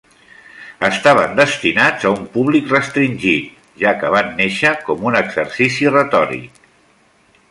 Estaven destinats a un públic restringit, ja que van néixer com un exercici retòric.